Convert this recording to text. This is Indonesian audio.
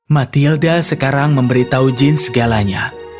matilda sekarang memberitahu jin segalanya